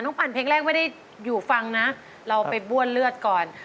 ปั่นเพลงแรกไม่ได้อยู่ฟังนะเราไปบ้วนเลือดก่อน